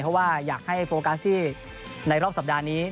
เพราะว่าอยากให้โฟกัสที่ในรอบสัปดาห์นี้